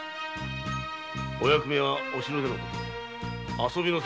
お役目はお城での事。